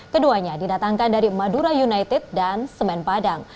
keduanya didatangkan dari madura united dan semen padang